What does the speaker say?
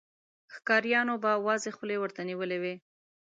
ښکاريانو به وازې خولې ورته نيولې وې.